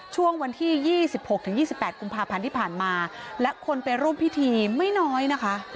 ช่วงวันที่๒๖๒๘กุมภาพันธ์ที่ผ่านมาและคนไปร่วมพิธีไม่น้อยนะคะ